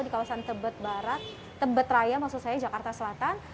di kawasan tebetraya jakarta selatan